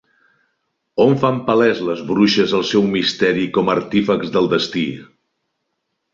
On fan palès les bruixes el seu misteri com artífexs del destí?